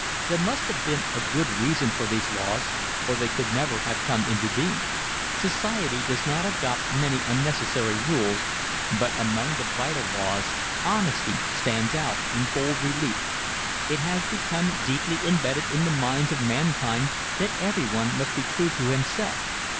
There must have been a good reason for these laws or they could never have come into being. Society does not adopt many unnecessary rules, but among the vital laws honesty stands out in bold relief. It has become deeply imbedded in the minds of mankind that everyone must be true to himself.